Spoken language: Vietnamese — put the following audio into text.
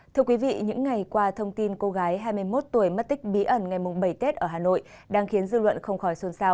thưa quý vị những ngày qua thông tin cô gái hai mươi một tuổi mất tích bí ẩn ngày bảy tết ở hà nội